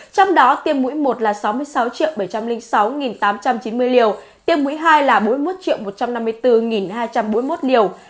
trong đó tiêm mũi một là sáu mươi sáu bảy trăm linh sáu tám trăm chín mươi liều tiêm mũi hai là bốn mươi một một trăm năm mươi bốn hai trăm bốn mươi một liều